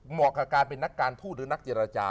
เหมาะกับการเป็นนักการทุและนักเจรจา